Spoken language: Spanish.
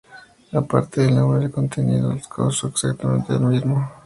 Aparte del nombre, el contenido del curso es exactamente el mismo.